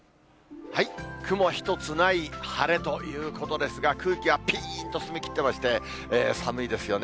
雲一つない、晴れということですが、空気はぴーんと澄みきってまして、寒いですよね。